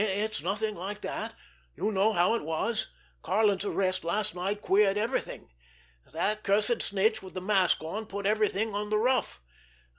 "It's nothing like that. You know how it was. Karlin's arrest last night queered everything. That cursed snitch with the mask on put everything on the rough.